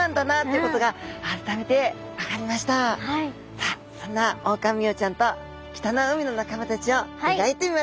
さあそんなオオカミウオちゃんと北の海の仲間たちを描いてみました。